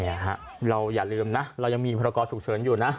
เนี่ยฮะเราอย่าลืมนะเรายังมีพรกรสุขเฉินอยู่นะ